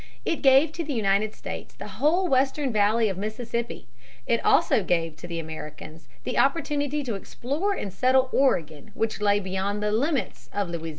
It gave to the United States the whole western valley of the Mississippi. It also gave to Americans the opportunity to explore and settle Oregon, which lay beyond the limits of Louisiana.